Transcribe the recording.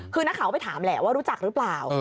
คือนักข่าวก็ไปถามแหละว่ารู้จักหรือเปล่า